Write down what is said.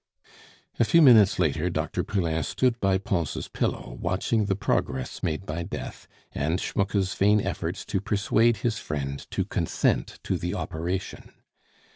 A few minutes later, Dr. Poulain stood by Pons' pillow watching the progress made by death, and Schmucke's vain efforts to persuade his friend to consent to the operation.